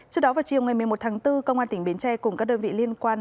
trước đó vào chiều ngày một mươi một tháng bốn công an tỉnh bến tre cùng các đơn vị liên quan